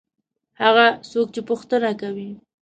هغه څوک چې پوښتنه کوي.